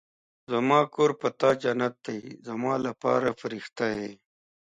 زما کور په تا جنت دی زما لپاره فرښته يې